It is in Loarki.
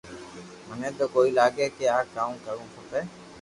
مني تو ڪوئي لاگي ڪي ڪاو ڪروُ کپي